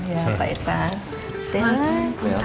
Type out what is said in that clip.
ya pak irwan